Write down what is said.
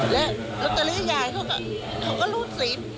แล้วลูตเตอรี่ยายเขาก็ลูดซีฟ